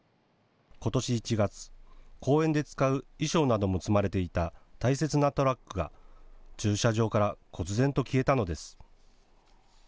ことし１月、公演で使う衣装なども積まれていた大切なトラックが駐車場からこつ然と消えたのです。